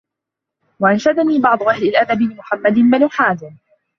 وَأَنْشَدَنِي بَعْضُ أَهْلِ الْأَدَبِ لِمُحَمَّدِ بْنِ حَازِمٍ